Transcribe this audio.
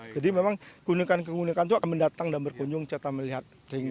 jadi memang keunikan keunikan itu akan mendatang dan berkunjung cita melihat